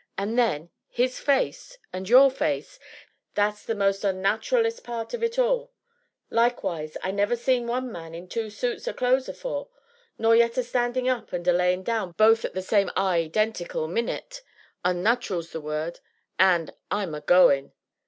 and then, his face, and your face that's the most onnat'rallest part of it all likewise, I never see one man in two suits o' clothes afore, nor yet a standing up, and a laying down both at the same i dentical minute onnat'ral's the word and I'm a going."